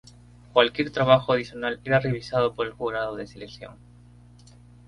Cualquier trabajo adicional era revisado por el jurado de selección.